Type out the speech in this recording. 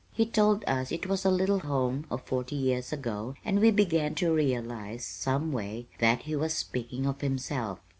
He told us it was a little home of forty years ago, and we began to realize, some way, that he was speaking of himself.